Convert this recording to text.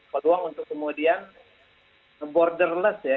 peluang untuk kemudian borderless ya